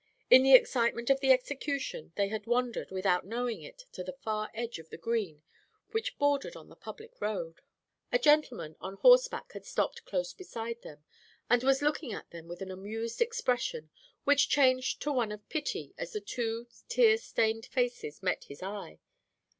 In the excitement of the execution, they had wandered, without knowing it, to the far edge of the green, which bordered on the public road. A gentleman on horseback had stopped close beside them, and was looking at them with an amused expression, which changed to one of pity, as the two tear stained faces met his eye.